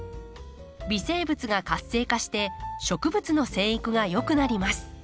微生物が活性化して植物の生育が良くなります。